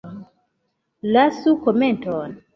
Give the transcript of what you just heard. Lasu komenton!